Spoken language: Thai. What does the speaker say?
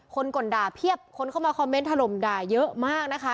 ก่นด่าเพียบคนเข้ามาคอมเมนต์ถล่มด่าเยอะมากนะคะ